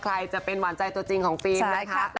ใครจะเป็นหวานใจตัวจริงของฟิล์มนะคะ